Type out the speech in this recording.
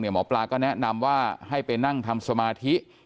หมอปลาก็แนะนำว่าให้ไปนั่งทำสมาธิ